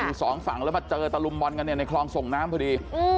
อยู่สองฝั่งแล้วมาเจอตะลุมบอลกันเนี่ยในคลองส่งน้ำพอดี